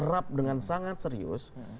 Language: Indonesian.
darap dengan sangat serius